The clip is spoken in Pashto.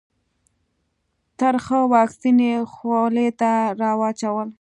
ترخه واکسین یې خولې ته راواچول.